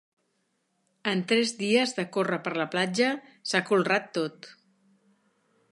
En tres dies de córrer per la platja s'ha colrat tot.